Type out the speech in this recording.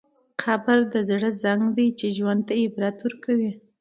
قبر د زړه زنګ دی چې ژوند ته عبرت ورکوي.